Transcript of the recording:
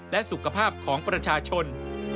และสุขภาพของประชาชน